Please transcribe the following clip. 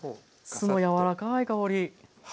酢の柔らかい香り。